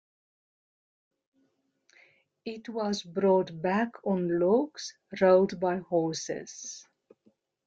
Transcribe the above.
It was brought back on logs rolled by horses.